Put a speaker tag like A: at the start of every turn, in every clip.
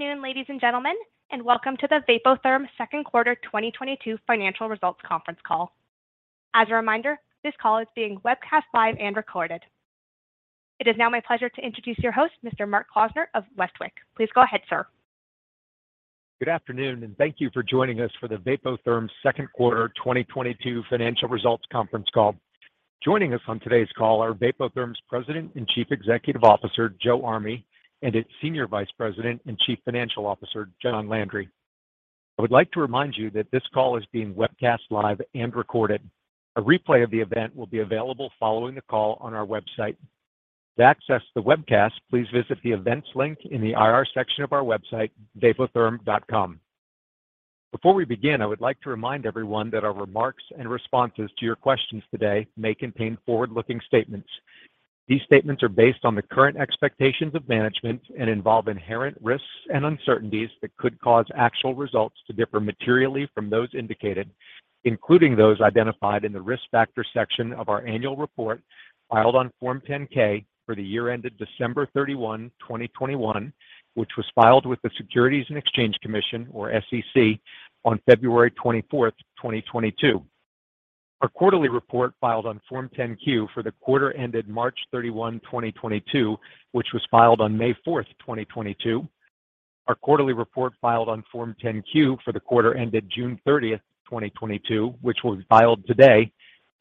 A: Good afternoon, ladies and gentlemen, and welcome to the Vapotherm second quarter 2022 financial results conference call. As a reminder, this call is being webcast live and recorded. It is now my pleasure to introduce your host, Mr. Mark Klausner of Westwicke. Please go ahead, sir.
B: Good afternoon, and thank you for joining us for the Vapotherm second quarter 2022 financial results conference call. Joining us on today's call are Vapotherm's President and Chief Executive Officer, Joseph Army, and its Senior Vice President and Chief Financial Officer, John Landry. I would like to remind you that this call is being webcast live and recorded. A replay of the event will be available following the call on our website. To access the webcast please visit the events link in the IR section of our website, vapotherm.com. Before we begin, I would like to remind everyone that our remarks and responses to your questions today may contain forward-looking statements. These statements are based on the current expectations of management and involve inherent risks and uncertainties that could cause actual results to differ materially from those indicated, including those identified in the Risk Factor section of our annual report filed on Form 10-K for the year ended December 31, 2021, which was filed with the Securities and Exchange Commission, or SEC, on February 24, 2022. Our quarterly report filed on Form 10-Q for the quarter ended March 31, 2022, which was filed on May 4, 2022. Our quarterly report filed on Form 10-Q for the quarter ended June 30, 2022, which was filed today,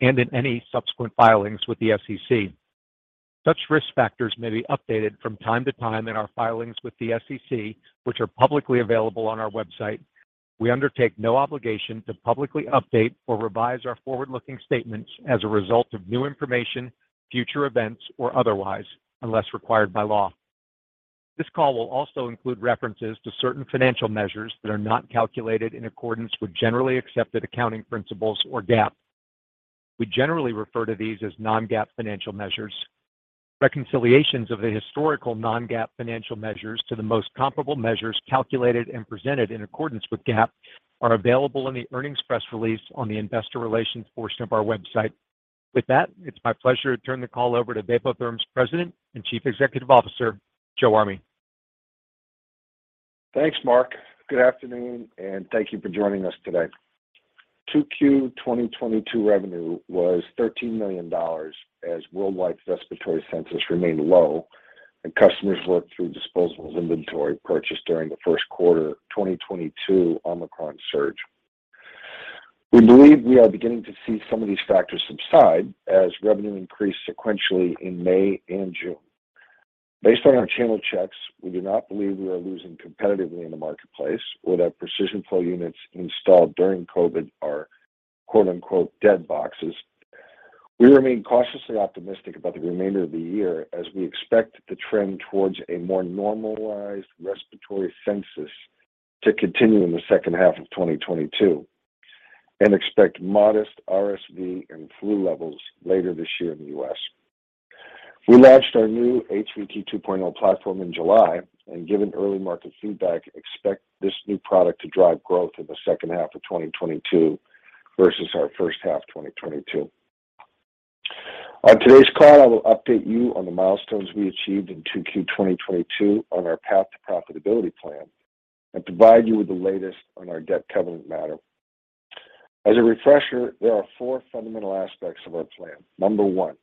B: and in any subsequent filings with the SEC. Such risk factors may be updated from time to time in our filings with the SEC, which are publicly available on our website. We undertake no obligation to publicly update or revise our forward-looking statements as a result of new information, future events, or otherwise, unless required by law. This call will also include references to certain financial measures that are not calculated in accordance with generally accepted accounting principles or GAAP. We generally refer to these as non-GAAP financial measures. Reconciliations of the historical non-GAAP financial measures to the most comparable measures calculated and presented in accordance with GAAP are available in the earnings press release on the investor relations portion of our website. With that, it's my pleasure to turn the call over to Vapotherm's President and Chief Executive Officer, Joseph Army.
C: Thanks, Mark. Good afternoon, and thank you for joining us today. 2Q 2022 revenue was $13 million as worldwide respiratory census remained low and customers worked through disposables inventory purchased during the first quarter 2022 Omicron surge. We believe we are beginning to see some of these factors subside as revenue increased sequentially in May and June. Based on our channel checks, we do not believe we are losing competitively in the marketplace or that Precision Flow units installed during COVID are quote unquote dead boxes. We remain cautiously optimistic about the remainder of the year as we expect the trend towards a more normalized respiratory census to continue in the second half of 2022 and expect modest RSV and flu levels later this year in the U.S. We launched our new HVT 2.0 platform in July, and given early market feedback, expect this new product to drive growth in the second half of 2022 versus our first half 2022. On today's call, I will update you on the milestones we achieved in 2Q 2022 on our path to profitability plan and provide you with the latest on our debt covenant matter. As a refresher, there are four fundamental aspects of our plan. Number one,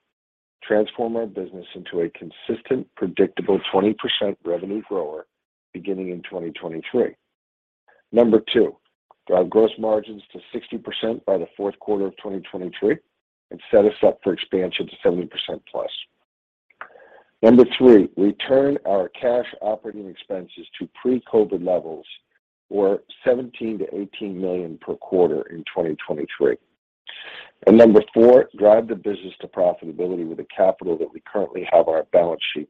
C: transform our business into a consistent, predictable 20% revenue grower beginning in 2023. Number two, drive gross margins to 60% by the fourth quarter of 2023 and set us up for expansion to 70%+. Number three, return our cash operating expenses to pre-COVID levels or $17 million-$18 million per quarter in 2023. Number four, drive the business to profitability with the capital that we currently have on our balance sheet,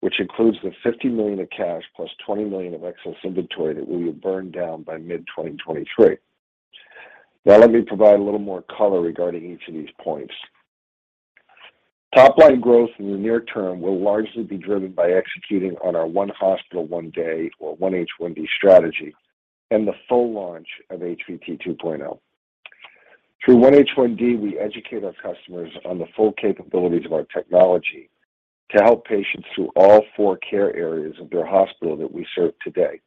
C: which includes the $50 million of cash plus $20 million of excess inventory that we will burn down by mid-2023. Now let me provide a little more color regarding each of these points. Top line growth in the near term will largely be driven by executing on our one hospital one day or 1H1D strategy and the full launch of HVT 2.0. Through 1H1D, we educate our customers on the full capabilities of our technology to help patients through all four care areas of their hospital that we serve today,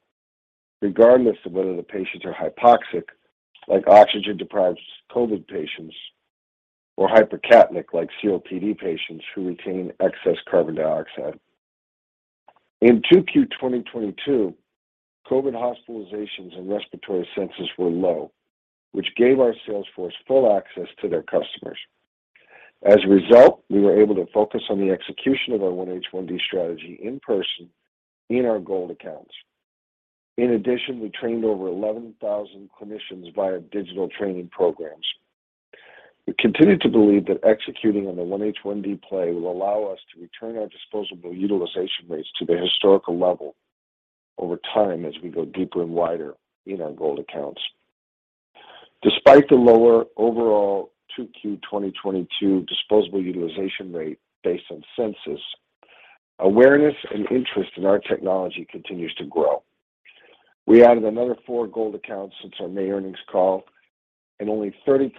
C: regardless of whether the patients are hypoxic, like oxygen-deprived COVID patients, or hypercapnic, like COPD patients who retain excess carbon dioxide. In 2Q 2022, COVID hospitalizations and respiratory census were low, which gave our sales force full access to their customers. As a result, we were able to focus on the execution of our 1H1D strategy in person in our gold accounts. In addition, we trained over 11,000 clinicians via digital training programs. We continue to believe that executing on the 1H1D play will allow us to return our disposable utilization rates to their historical level over time as we go deeper and wider in our gold accounts. Despite the lower overall 2Q 2022 disposable utilization rate based on census, awareness and interest in our technology continues to grow. We added another four gold accounts since our May earnings call, and only 30%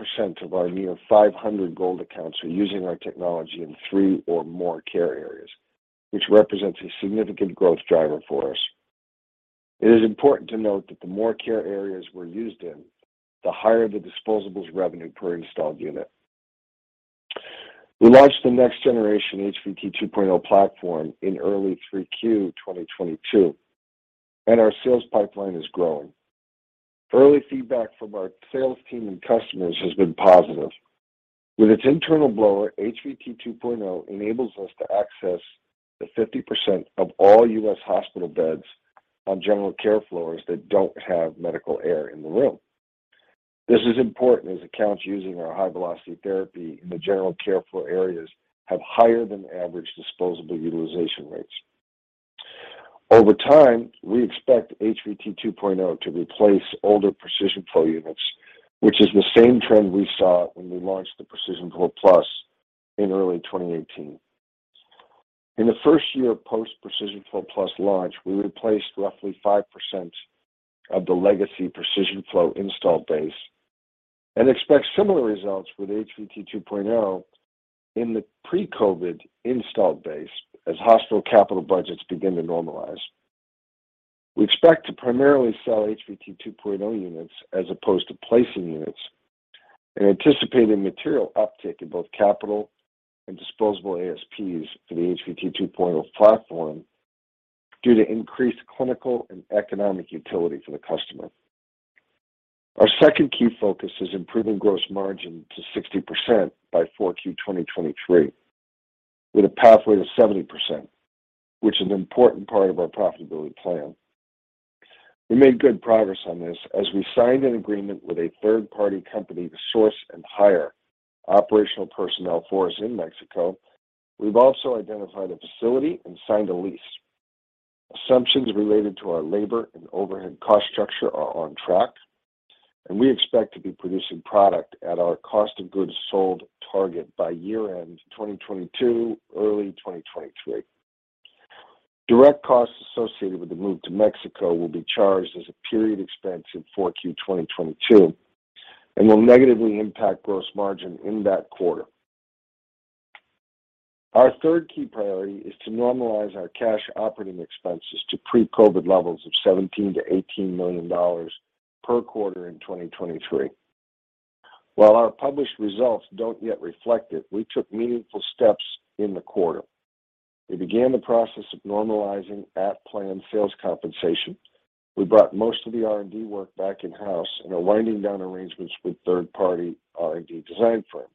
C: of our near 500 gold accounts are using our technology in three or more care areas, which represents a significant growth driver for us. It is important to note that the more care areas we're used in, the higher the disposables revenue per installed unit. We launched the next generation HVT 2.0 platform in early 3Q 2022, and our sales pipeline is growing. Early feedback from our sales team and customers has been positive. With its internal blower, HVT 2.0 enables us to access the 50% of all U.S. hospital beds on general care floors that don't have medical air in the room. This is important as accounts using our High Velocity Therapy in the general care floor areas have higher than average disposable utilization rates. Over time, we expect HVT 2.0 to replace older Precision Flow units, which is the same trend we saw when we launched the Precision Flow Plus in early 2018. In the first year of post-Precision Flow Plus launch, we replaced roughly 5% of the legacy Precision Flow installed base and expect similar results with HVT 2.0 in the pre-COVID installed base as hospital capital budgets begin to normalize. We expect to primarily sell HVT 2.0 units as opposed to placing units and anticipating material uptick in both capital and disposable ASPs for the HVT 2.0 platform due to increased clinical and economic utility for the customer. Our second key focus is improving gross margin to 60% by 4Q 2023 with a pathway to 70%, which is an important part of our profitability plan. We made good progress on this as we signed an agreement with a third-party company to source and hire operational personnel for us in Mexico. We've also identified a facility and signed a lease. Assumptions related to our labor and overhead cost structure are on track, and we expect to be producing product at our cost of goods sold target by year-end 2022, early 2023. Direct costs associated with the move to Mexico will be charged as a period expense in 4Q 2022 and will negatively impact gross margin in that quarter. Our third key priority is to normalize our cash operating expenses to pre-COVID levels of $17 million-$18 million per quarter in 2023. While our published results don't yet reflect it, we took meaningful steps in the quarter. We began the process of normalizing at plan sales compensation. We brought most of the R&D work back in-house and are winding down arrangements with third-party R&D design firms.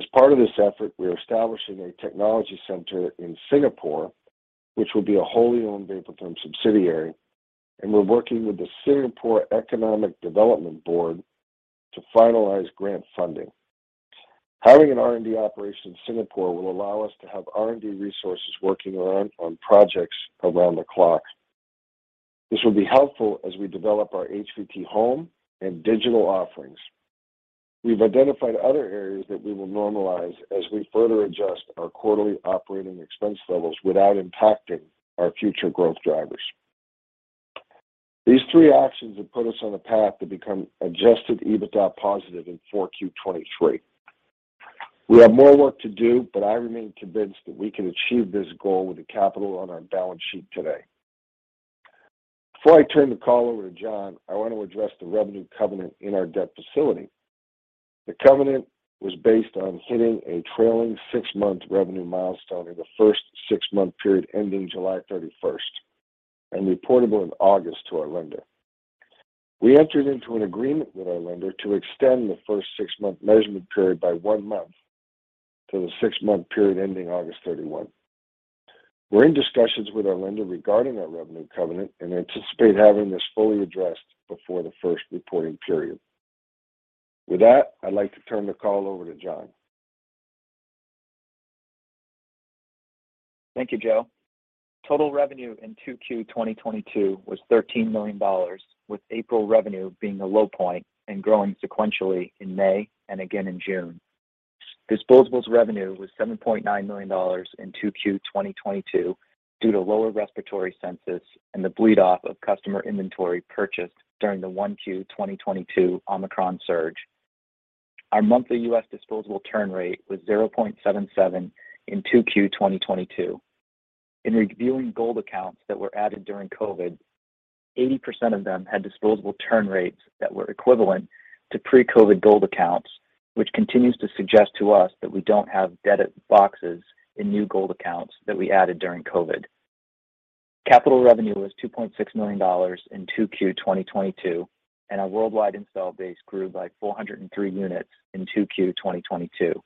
C: As part of this effort, we're establishing a technology center in Singapore, which will be a wholly owned Vapotherm subsidiary, and we're working with the Singapore Economic Development Board to finalize grant funding. Having an R&D operation in Singapore will allow us to have R&D resources working around the clock on projects. This will be helpful as we develop our HVT Home and digital offerings. We've identified other areas that we will normalize as we further adjust our quarterly operating expense levels without impacting our future growth drivers. These three actions have put us on a path to become adjusted EBITDA positive in Q4 2023. We have more work to do, but I remain convinced that we can achieve this goal with the capital on our balance sheet today. Before I turn the call over to John, I want to address the revenue covenant in our debt facility. The covenant was based on hitting a trailing six-month revenue milestone in the first six-month period ending July 31 and reportable in August to our lender. We entered into an agreement with our lender to extend the first six-month measurement period by one month to the six-month period ending August 31. We're in discussions with our lender regarding that revenue covenant and anticipate having this fully addressed before the first reporting period. With that, I'd like to turn the call over to John.
D: Thank you, Joe. Total revenue in 2Q 2022 was $13 million, with April revenue being a low point and growing sequentially in May and again in June. Disposables revenue was $7.9 million in 2Q 2022 due to lower respiratory census and the bleed off of customer inventory purchased during the 1Q 2022 Omicron surge. Our monthly U.S. disposable turn rate was 0.77 in 2Q 2022. In reviewing gold accounts that were added during COVID, 80% of them had disposable turn rates that were equivalent to pre-COVID gold accounts, which continues to suggest to us that we don't have dead boxes in new gold accounts that we added during COVID. Capital revenue was $2.6 million in 2Q 2022, and our worldwide installed base grew by 403 units in 2Q 2022.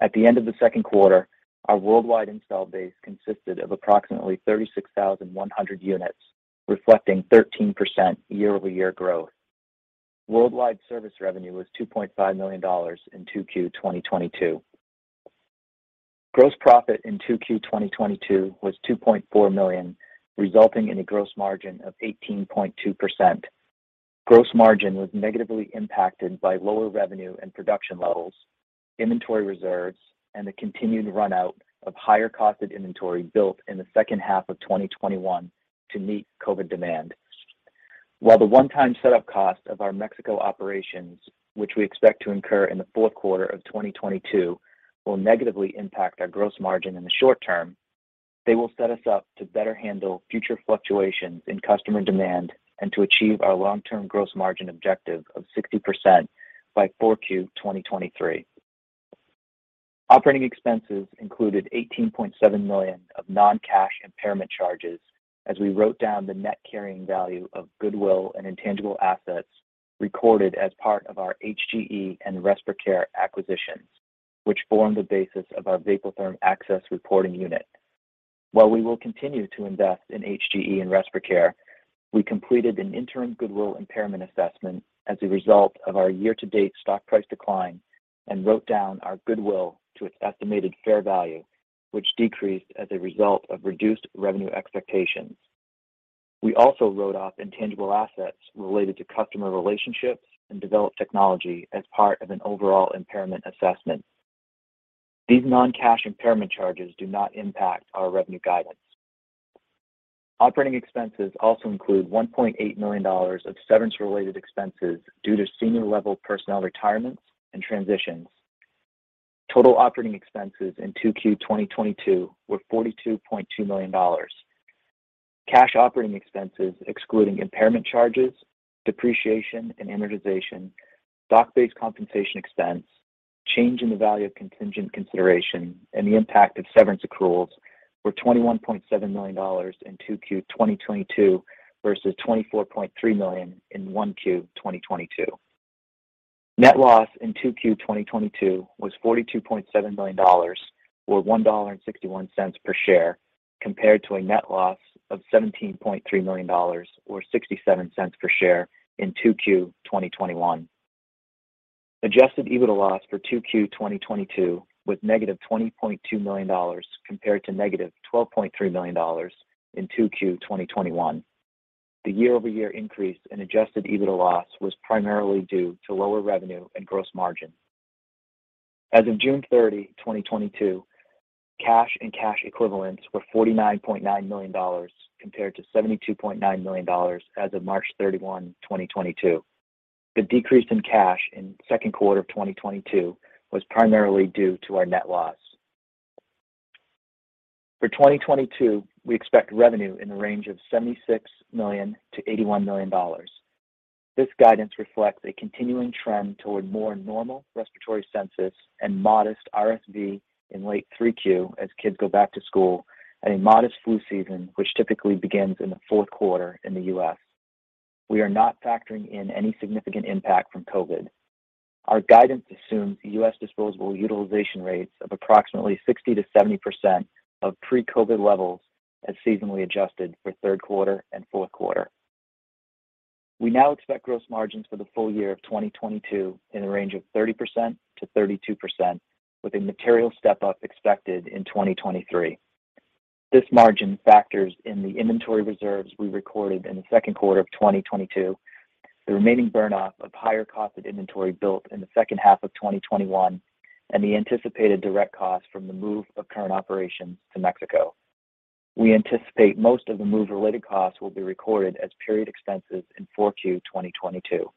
D: At the end of the second quarter, our worldwide installed base consisted of approximately 36,100 units, reflecting 13% year-over-year growth. Worldwide service revenue was $2.5 million in 2Q 2022. Gross profit in 2Q 2022 was $2.4 million, resulting in a gross margin of 18.2%. Gross margin was negatively impacted by lower revenue and production levels, inventory reserves, and the continued run out of higher cost of inventory built in the second half of 2021 to meet COVID demand. While the one-time setup cost of our Mexico operations, which we expect to incur in the fourth quarter of 2022, will negatively impact our gross margin in the short term, they will set us up to better handle future fluctuations in customer demand and to achieve our long-term gross margin objective of 60% by 4Q 2023. Operating expenses included $18.7 million of non-cash impairment charges as we wrote down the net carrying value of goodwill and intangible assets recorded as part of our HGE and RespirCare acquisitions, which form the basis of our Vapotherm Access reporting unit. While we will continue to invest in HGE and RespirCare, we completed an interim goodwill impairment assessment as a result of our year-to-date stock price decline and wrote down our goodwill to its estimated fair value, which decreased as a result of reduced revenue expectations. We also wrote off intangible assets related to customer relationships and developed technology as part of an overall impairment assessment. These non-cash impairment charges do not impact our revenue guidance. Operating expenses also include $1.8 million of severance related expenses due to senior level personnel retirements and transitions. Total operating expenses in 2Q 2022 were $42.2 million. Cash operating expenses, excluding impairment charges, depreciation and amortization, stock-based compensation expense, change in the value of contingent consideration, and the impact of severance accruals were $21.7 million in 2Q 2022 versus $24.3 million in 1Q 2022. Net loss in 2Q 2022 was $42.7 million, or $1.61 per share, compared to a net loss of $17.3 million or $0.67 per share in 2Q 2021. Adjusted EBITDA loss for 2Q 2022 was -$20.2 million compared to -$12.3 million in 2Q 2021. The year-over-year increase in adjusted EBITDA loss was primarily due to lower revenue and gross margin. As of June 30, 2022, cash and cash equivalents were $49.9 million compared to $72.9 million as of March 31, 2022. The decrease in cash in second quarter of 2022 was primarily due to our net loss. For 2022, we expect revenue in the range of $76 million-$81 million. This guidance reflects a continuing trend toward more normal respiratory census and modest RSV in late 3Q as kids go back to school and a modest flu season, which typically begins in the fourth quarter in the U.S. We are not factoring in any significant impact from COVID. Our guidance assumes U.S. disposables utilization rates of approximately 60%-70% of pre-COVID levels as seasonally adjusted for third quarter and fourth quarter. We now expect gross margins for the full year of 2022 in the range of 30%-32% with a material step-up expected in 2023. This margin factors in the inventory reserves we recorded in the second quarter of 2022, the remaining burn off of higher cost of inventory built in the second half of 2021, and the anticipated direct cost from the move of current operations to Mexico. We anticipate most of the move-related costs will be recorded as period expenses in Q4 2022.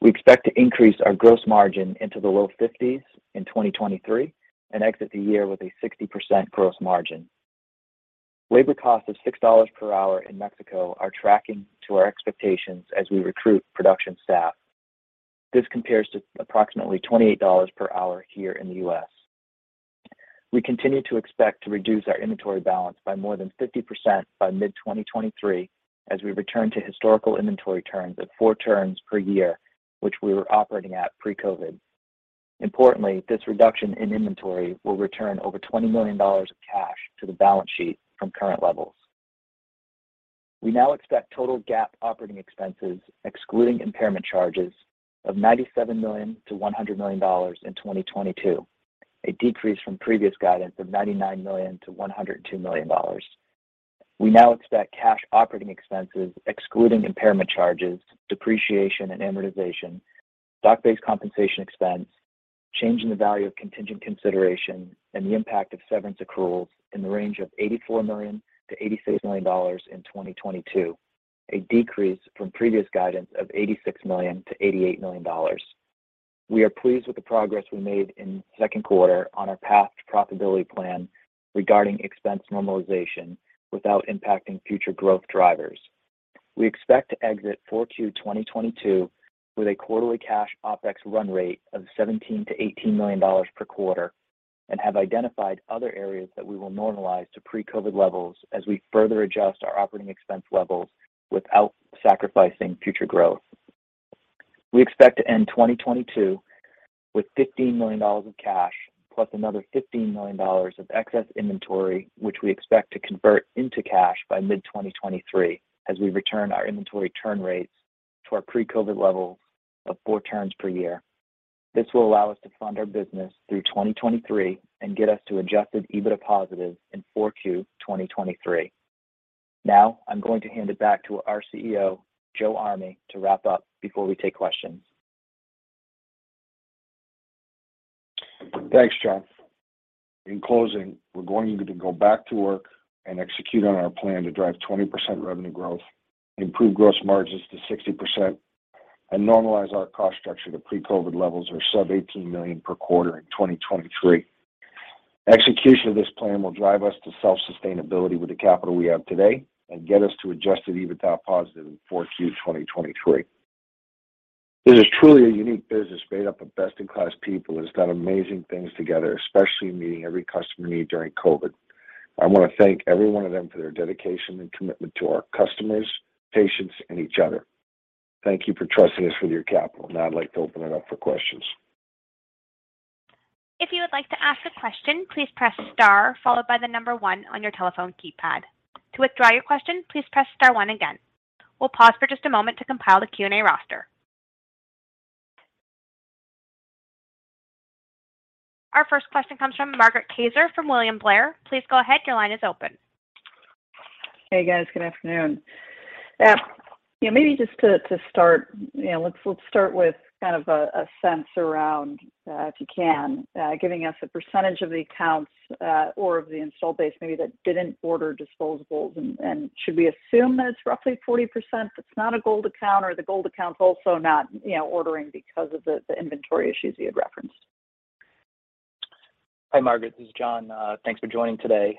D: We expect to increase our gross margin into the low 50s% in 2023 and exit the year with a 60% gross margin. Labor cost of $6 per hour in Mexico are tracking to our expectations as we recruit production staff. This compares to approximately $28 per hour here in the U.S. We continue to expect to reduce our inventory balance by more than 50% by mid-2023 as we return to historical inventory turns of 4 turns per year, which we were operating at pre-COVID. Importantly, this reduction in inventory will return over $20 million of cash to the balance sheet from current levels. We now expect total GAAP operating expenses, excluding impairment charges, of $97 million-$100 million in 2022, a decrease from previous guidance of $99 million-$102 million. We now expect cash operating expenses, excluding impairment charges, depreciation and amortization, stock-based compensation expense, change in the value of contingent consideration, and the impact of severance accruals in the range of $84 million-$86 million in 2022, a decrease from previous guidance of $86 million-$88 million. We are pleased with the progress we made in the second quarter on our path to profitability plan regarding expense normalization without impacting future growth drivers. We expect to exit 4Q 2022 with a quarterly cash OpEx run rate of $17 million-$18 million per quarter and have identified other areas that we will normalize to pre-COVID levels as we further adjust our operating expense levels without sacrificing future growth. We expect to end 2022 with $15 million of cash plus another $15 million of excess inventory, which we expect to convert into cash by mid-2023 as we return our inventory turn rates to our pre-COVID levels of 4 turns per year. This will allow us to fund our business through 2023 and get us to adjusted EBITDA positive in 4Q 2023. Now I'm going to hand it back to our CEO, Joseph Army, to wrap up before we take questions.
C: Thanks, John. In closing, we're going to go back to work and execute on our plan to drive 20% revenue growth, improve gross margins to 60%, and normalize our cost structure to pre-COVID levels or sub-$18 million per quarter in 2023. Execution of this plan will drive us to self-sustainability with the capital we have today and get us to adjusted EBITDA positive in Q4 2023. This is truly a unique business made up of best-in-class people that has done amazing things together, especially meeting every customer need during COVID. I want to thank every one of them for their dedication and commitment to our customers, patients, and each other. Thank you for trusting us with your capital. Now I'd like to open it up for questions.
A: If you would like to ask a question, please press star followed by the number one on your telephone keypad. To withdraw your question, please press star one again. We'll pause for just a moment to compile the Q&A roster. Our first question comes from Margaret Kaczor from William Blair. Please go ahead. Your line is open.
E: Hey, guys. Good afternoon. You know, maybe just to start, you know, let's start with kind of a sense around if you can giving us a percentage of the accounts or of the installed base maybe that didn't order disposables. Should we assume that it's roughly 40% that's not a gold account or the gold account's also not, you know, ordering because of the inventory issues you had referenced?
D: Hi, Margaret. This is John. Thanks for joining today.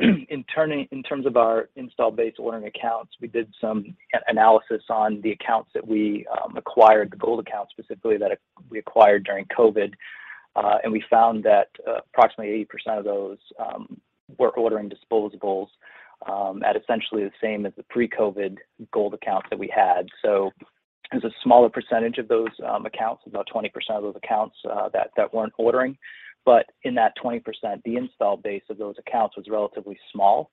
D: In terms of our install base ordering accounts, we did some analysis on the accounts that we acquired, the gold accounts specifically that we acquired during COVID. We found that approximately 80% of those were ordering disposables at essentially the same as the pre-COVID gold accounts that we had. It's a smaller percentage of those accounts, about 20% of those accounts that weren't ordering. In that 20%, the install base of those accounts was relatively small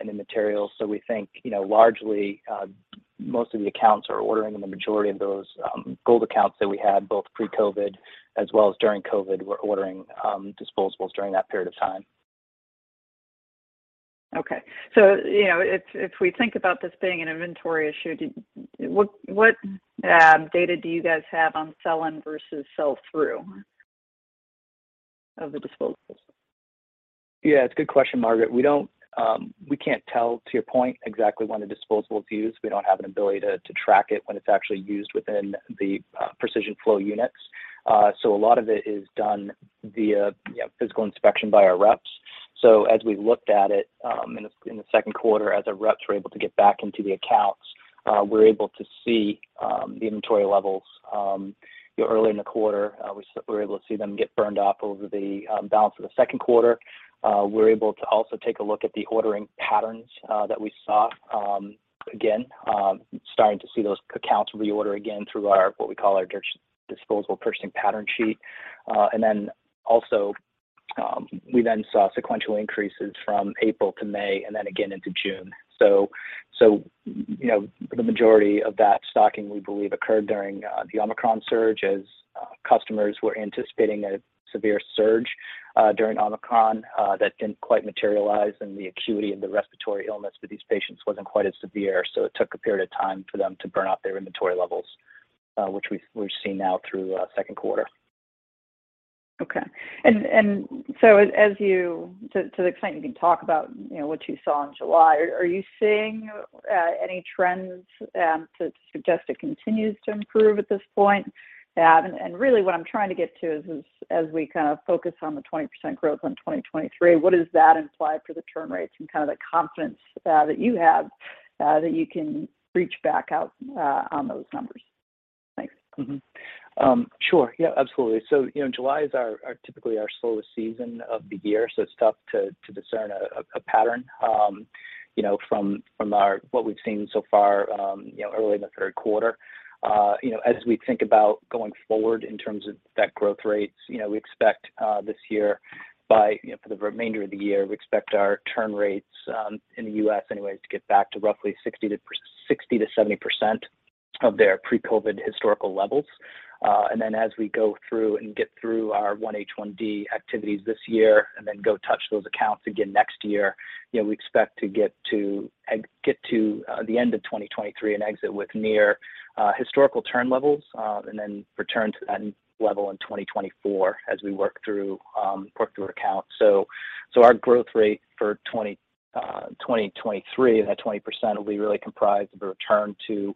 D: in the materials. We think, you know, largely most of the accounts are ordering and the majority of those gold accounts that we had both pre-COVID as well as during COVID were ordering disposables during that period of time.
E: Okay. You know, if we think about this being an inventory issue, what data do you guys have on sell-in versus sell-through of the disposables?
D: Yeah, it's a good question, Margaret. We can't tell, to your point, exactly when a disposable is used. We don't have an ability to track it when it's actually used within the Precision Flow units. So a lot of it is done via, you know, physical inspection by our reps. So as we looked at it, in the second quarter, as our reps were able to get back into the accounts, we're able to see the inventory levels, you know, early in the quarter. We were able to see them get burned off over the balance of the second quarter. We're able to also take a look at the ordering patterns that we saw, again, starting to see those accounts reorder again through our, what we call our disposal purchasing pattern sheet. We then saw sequential increases from April to May and then again into June. You know, the majority of that stocking, we believe, occurred during the Omicron surge as customers were anticipating a severe surge during Omicron that didn't quite materialize, and the acuity of the respiratory illness with these patients wasn't quite as severe. It took a period of time for them to burn off their inventory levels, which we're seeing now through second quarter.
E: Okay. So to the extent you can talk about, you know, what you saw in July, are you seeing any trends to suggest it continues to improve at this point? Really what I'm trying to get to is as we kind of focus on the 20% growth in 2023, what does that imply for the churn rates and kind of the confidence that you have that you can reach back out on those numbers? Thanks.
D: Sure. Yeah, absolutely. July is typically our slowest season of the year, so it's tough to discern a pattern, you know, from what we've seen so far, you know, early in the third quarter. You know, as we think about going forward in terms of that growth rates, you know, we expect this year by, you know, for the remainder of the year, we expect our churn rates in the U.S. anyways to get back to roughly 60%-70% of their pre-COVID historical levels. As we go through and get through our 1H1D activities this year and then go touch those accounts again next year, you know, we expect to get to the end of 2023 and exit with near historical churn levels and then return to that level in 2024 as we work through our accounts. Our growth rate for 2023, that 20% will be really comprised of a return to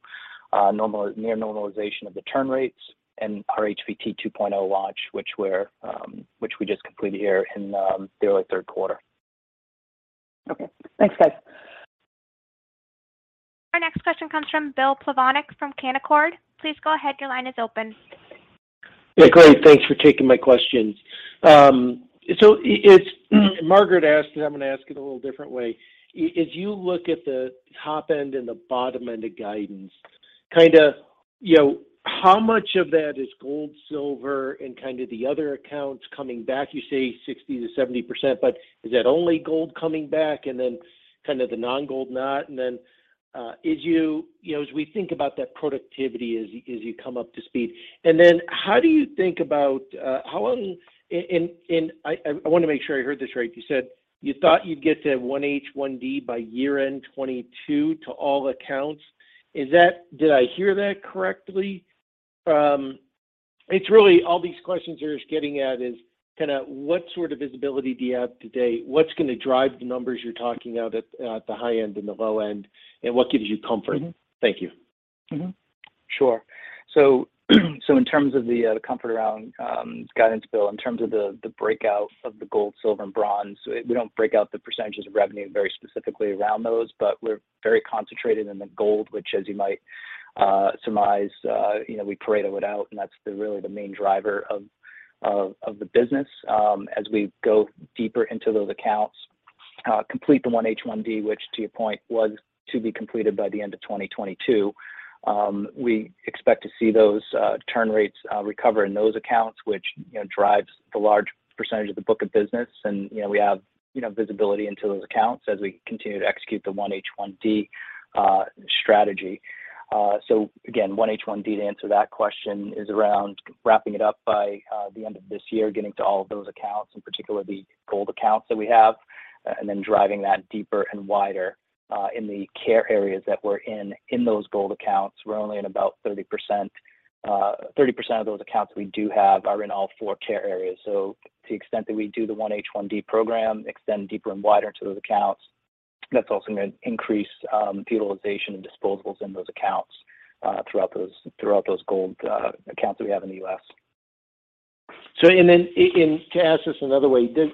D: near normalization of the churn rates and our HVT 2.0 launch, which we just completed here in the early third quarter.
E: Okay. Thanks, guys.
A: Our next question comes from Bill Plovanic from Canaccord. Please go ahead. Your line is open.
F: Yeah, great. Thanks for taking my questions. So it's Margaret asked, and I'm gonna ask it a little different way. As you look at the top end and the bottom end of guidance. Kinda, you know, how much of that is gold, silver, and kinda the other accounts coming back? You say 60%-70%, but is that only gold coming back and then kind of the non-gold not? Then, as you know, as we think about that productivity as you come up to speed. Then how do you think about how long. And I wanna make sure I heard this right. You said you thought you'd get to 1H1D by year-end 2022 to all accounts. Is that. Did I hear that correctly? It's really all these questions you're just getting at is kinda what sort of visibility do you have today? What's gonna drive the numbers you're talking about at the high end and the low end, and what gives you comfort?
D: Mm-hmm.
F: Thank you.
D: In terms of the comfort around this guidance, Bill, in terms of the breakdown of the gold, silver, and bronze, we don't break out the percentages of revenue very specifically around those, but we're very concentrated in the gold, which as you might surmise, you know, we parlayed it out, and that's really the main driver of the business, as we go deeper into those accounts, complete the 1H1D, which to your point, was to be completed by the end of 2022. We expect to see those turn rates recover in those accounts, which you know, drives the large percentage of the book of business. We have visibility into those accounts as we continue to execute the 1H1D strategy. Again, 1H1D, to answer that question, is around wrapping it up by the end of this year, getting to all of those accounts, in particular the gold accounts that we have, and then driving that deeper and wider in the care areas that we're in in those gold accounts. We're only in about 30%. 30% of those accounts we do have are in all four care areas. To the extent that we do the 1H1D program, extend deeper and wider into those accounts, that's also gonna increase the utilization of disposables in those accounts throughout those gold accounts that we have in the U.S.
F: To ask this another way, does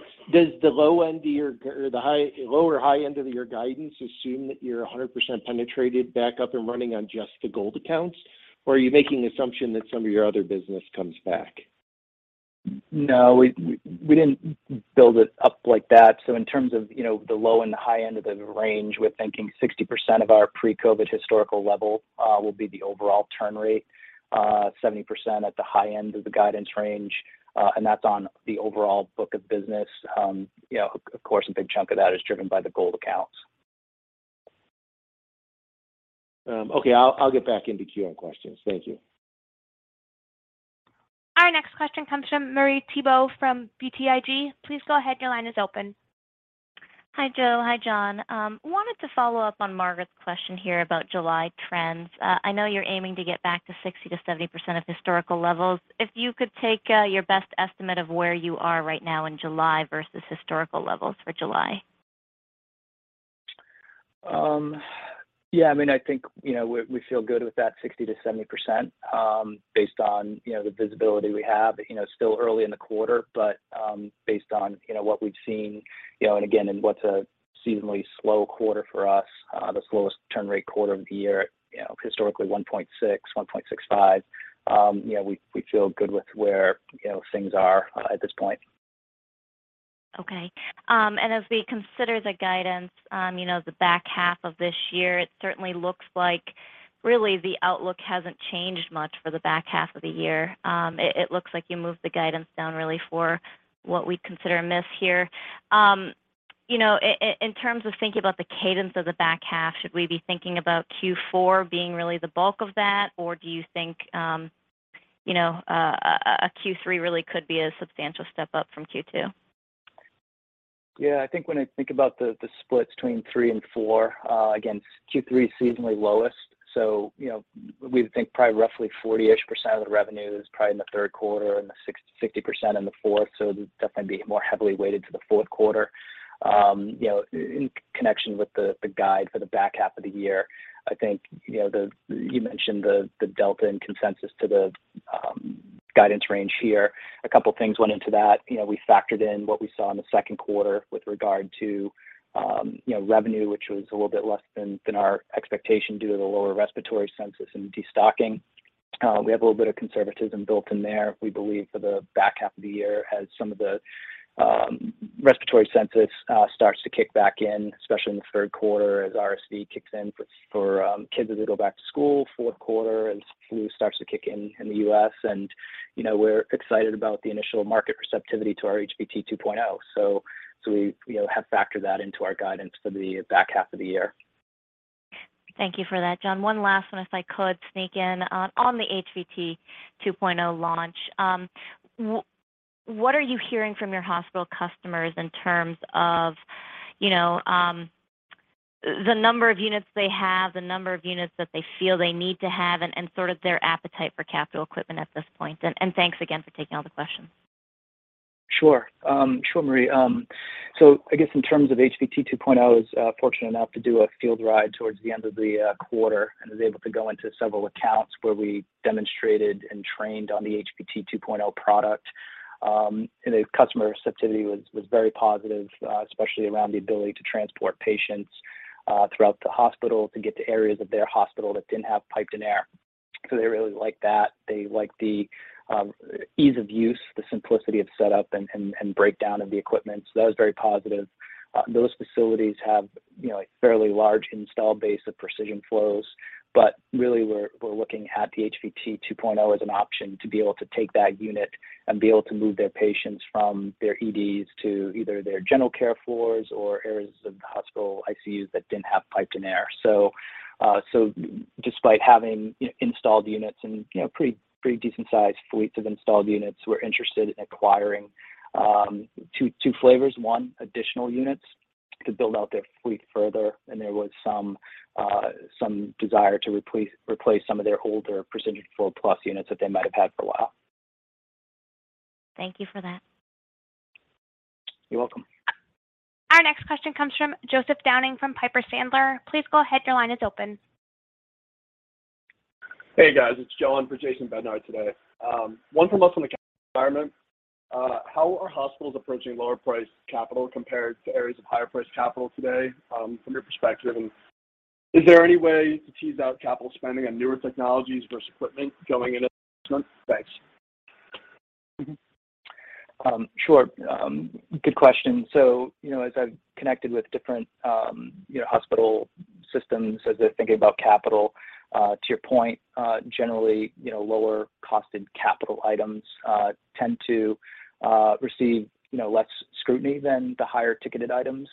F: the low or high end of your guidance assume that you're 100% penetrated back up and running on just the gold accounts? Or are you making the assumption that some of your other business comes back?
D: No. We didn't build it up like that. In terms of, you know, the low and the high end of the range, we're thinking 60% of our pre-COVID historical level will be the overall turn rate. 70% at the high end of the guidance range, and that's on the overall book of business. You know, of course, a big chunk of that is driven by the gold accounts.
F: Okay. I'll get back into queue on questions. Thank you.
A: Our next question comes from Marie Thibault from BTIG. Please go ahead. Your line is open.
G: Hi, Joe. Hi, John. Wanted to follow up on Margaret's question here about July trends. I know you're aiming to get back to 60%-70% of historical levels. If you could take your best estimate of where you are right now in July versus historical levels for July?
D: Yeah, I mean, I think, you know, we feel good with that 60%-70%, based on, you know, the visibility we have. You know, still early in the quarter, but based on, you know, what we've seen, you know, and again, in what's a seasonally slow quarter for us, the slowest turn rate quarter of the year at, you know, historically 1.6, 1.65, you know, we feel good with where, you know, things are at this point.
G: Okay. As we consider the guidance, you know, the back half of this year, it certainly looks like really the outlook hasn't changed much for the back half of the year. It looks like you moved the guidance down really for what we'd consider a miss here. You know, in terms of thinking about the cadence of the back half, should we be thinking about Q4 being really the bulk of that, or do you think, you know, a Q3 really could be a substantial step up from Q2?
D: Yeah. I think when I think about the splits between three and four, again, Q3's seasonally lowest, so, you know, we would think probably roughly 40-ish% of the revenue is probably in the third quarter and the 60% in the fourth. So that's gonna be more heavily weighted to the fourth quarter. You know, in connection with the guide for the back half of the year, I think, you know. You mentioned the delta in consensus to the guidance range here. A couple things went into that. You know, we factored in what we saw in the second quarter with regard to, you know, revenue, which was a little bit less than our expectation due to the lower respiratory census and destocking. We have a little bit of conservatism built in there. We believe for the back half of the year as some of the respiratory census starts to kick back in, especially in the third quarter as RSV kicks in for kids as they go back to school, fourth quarter as flu starts to kick in in the U.S., and, you know, we're excited about the initial market receptivity to our HVT 2.0. We, you know, have factored that into our guidance for the back half of the year.
G: Thank you for that, John. One last one, if I could sneak in, on the HVT 2.0 launch. What are you hearing from your hospital customers in terms of, you know, the number of units they have, the number of units that they feel they need to have, and sort of their appetite for capital equipment at this point? Thanks again for taking all the questions.
D: Sure. Sure, Marie. I guess in terms of HVT 2.0, I was fortunate enough to do a field ride towards the end of the quarter and was able to go into several accounts where we demonstrated and trained on the HVT 2.0 product. The customer sensitivity was very positive, especially around the ability to transport patients throughout the hospital to get to areas of their hospital that didn't have piped-in air. They really like that. They like the ease of use, the simplicity of setup and breakdown of the equipment. That was very positive. Those facilities have, you know, a fairly large installed base of Precision Flows. Really, we're looking at the HVT 2.0 as an option to be able to take that unit and be able to move their patients from their EDs to either their general care floors or areas of the hospital ICUs that didn't have piped-in air. Despite having installed units and, you know, pretty decent sized fleets of installed units, we're interested in acquiring two flavors. One, additional units to build out their fleet further, and there was some desire to replace some of their older Precision Flow Plus units that they might have had for a while.
G: Thank you for that.
D: You're welcome.
A: Our next question comes from Joseph Downing from Piper Sandler. Please go ahead. Your line is open.
H: Hey, guys. It's Joe on for Jason Bednar today. One from us on the environment. How are hospitals approaching lower priced capital compared to areas of higher priced capital today, from your perspective? Is there any way to tease out capital spending on newer technologies versus equipment going into next month? Thanks.
D: You know, as I've connected with different, you know, hospital systems as they're thinking about capital, to your point, generally, you know, lower cost capital items tend to receive, you know, less scrutiny than the higher-ticket items.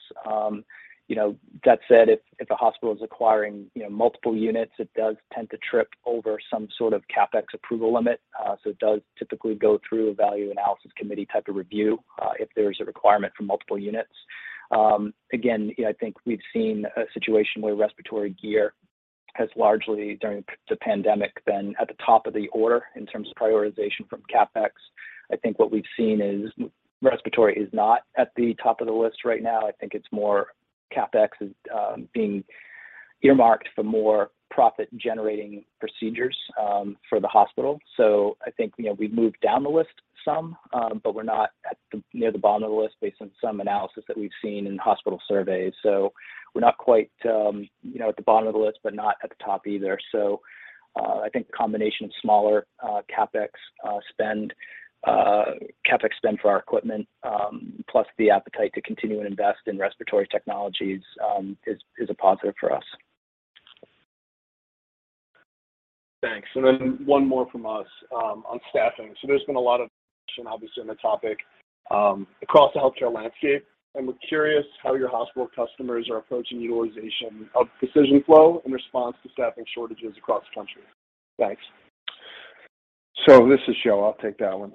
D: That said, if a hospital is acquiring, you know, multiple units, it does tend to trip over some sort of CapEx approval limit. It does typically go through a value analysis committee type of review, if there's a requirement for multiple units. Again, you know, I think we've seen a situation where respiratory gear has largely, during the pandemic, been at the top of the order in terms of prioritization from CapEx. I think what we've seen is respiratory is not at the top of the list right now. I think it's more CapEx is being earmarked for more profit-generating procedures for the hospital. I think, you know, we've moved down the list some, but we're not near the bottom of the list based on some analysis that we've seen in hospital surveys. We're not quite, you know, at the bottom of the list but not at the top either. I think the combination of smaller CapEx spend for our equipment plus the appetite to continue and invest in respiratory technologies is a positive for us.
H: Thanks. One more from us on staffing. There's been a lot of discussion, obviously, on the topic, across the healthcare landscape, and we're curious how your hospital customers are approaching utilization of Precision Flow in response to staffing shortages across the country. Thanks.
C: This is Joe. I'll take that one.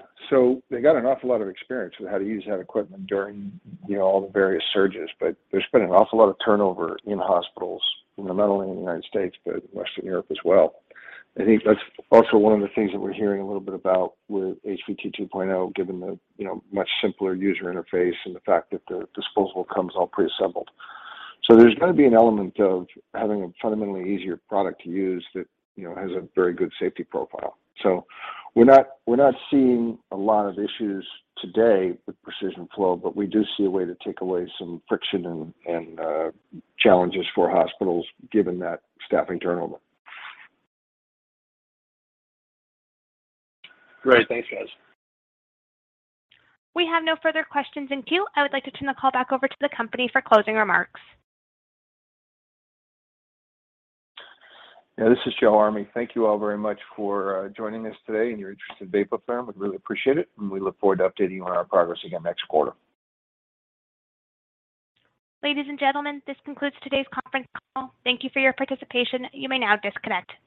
C: They got an awful lot of experience with how to use that equipment during, you know, all the various surges. There's been an awful lot of turnover in hospitals, you know, not only in the United States, but Western Europe as well. I think that's also one of the things that we're hearing a little bit about with HVT 2.0, given the, you know, much simpler user interface and the fact that the disposable comes all preassembled. There's gonna be an element of having a fundamentally easier product to use that, you know, has a very good safety profile. We're not seeing a lot of issues today with Precision Flow, but we do see a way to take away some friction and challenges for hospitals given that staffing turnover.
H: Great. Thanks, guys.
A: We have no further questions in queue. I would like to turn the call back over to the company for closing remarks.
C: Yeah, this is Joseph Army. Thank you all very much for joining us today and your interest in Vapotherm. We really appreciate it, and we look forward to updating you on our progress again next quarter.
A: Ladies and gentlemen, this concludes today's conference call. Thank you for your participation. You may now disconnect.